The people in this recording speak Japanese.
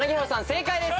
正解です。